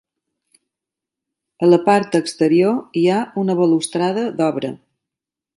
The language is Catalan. A la part exterior hi ha una balustrada d'obra.